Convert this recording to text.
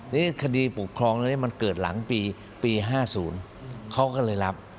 นี่คดีปกครองตรงนี้มันเกิดหลังปี๕๐เขาก็เลยรับ